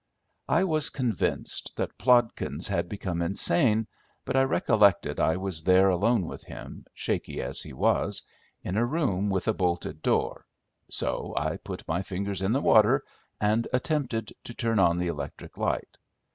I was convinced Plodkins had become insane, but I recollected I was there alone with him, shaky as he was, in a room with a bolted door, so I put my fingers in the water and attempted to turn on the electric light.